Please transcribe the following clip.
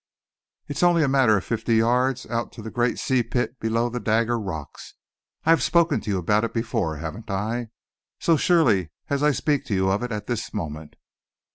It's only a matter of fifty yards out to the great sea pit below the Dagger Rocks I've spoken to you about it before, haven't I? So surely as I speak to you of it at this moment."